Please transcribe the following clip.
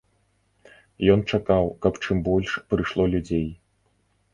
Ён чакаў, каб чым больш прыйшло людзей.